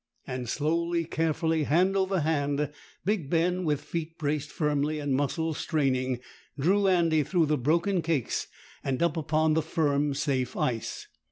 And slowly, carefully, hand over hand, big Ben, with feet braced firmly and muscles straining, drew Andy through the broken cakes and up upon the firm safe ice.